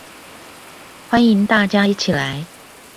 歡迎大家一起來